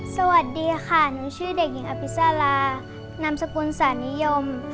สวัสดีค่ะหนูชื่อเด็กหญิงอภิษาลานามสกุลสานิยม